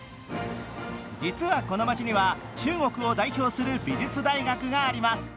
実は、この街には中国を代表する美術大学があります。